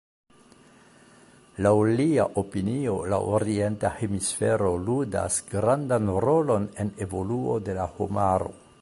Laŭ lia opinio, la Orienta hemisfero ludas grandan rolon en evoluo de la homaro.